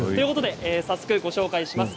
早速ご紹介します。